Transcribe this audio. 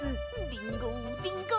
リンゴリンゴ！